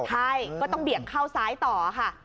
ใช่ก็ต้องเบี่ยงเข้าซ้ายต่อค่ะ